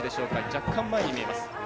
若干、前に見えます。